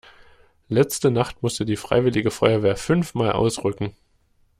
Letzte Nacht musste die freiwillige Feuerwehr fünfmal ausrücken.